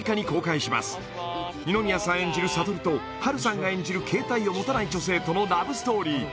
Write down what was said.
演じる悟と波瑠さんが演じる携帯を持たない女性とのラブストーリー